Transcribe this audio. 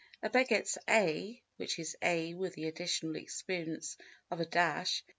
A begets A′ which is A with the additional experience of a dash.